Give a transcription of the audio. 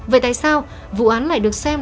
vậy tại sao vụ án lại được xem